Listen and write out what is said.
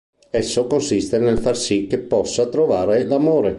Esso consiste nel far sì che possa trovare l'amore.